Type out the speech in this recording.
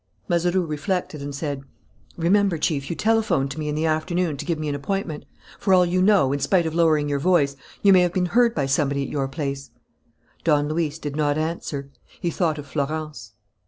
Mazeroux reflected and said: "Remember, Chief, you telephoned to me in the afternoon to give me an appointment. For all you know, in spite of lowering your voice, you may have been heard by somebody at your place." Don Luis did not answer. He thought of Florence.